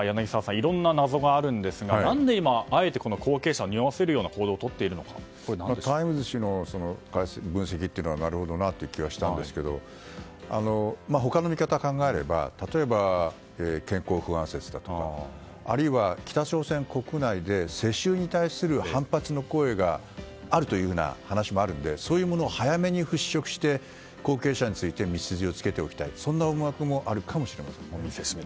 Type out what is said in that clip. いろんな謎があるんですが何で今、あえて後継者をにおわせるようなタイムズ紙の分析はなるほどなという気がしたんですが他の見方を考えれば例えば健康不安説だとかあるいは、北朝鮮国内で世襲に対する反発の声があるというふうな話もあるのでそういうものを早めに払拭して後継者について道筋をつけておきたいというそんな思惑もあるかもしれません。